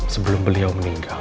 sebelum beliau meninggal